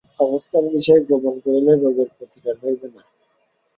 অবস্থার বিষয় গোপন করিলে রোগের প্রতিকার হইবে না।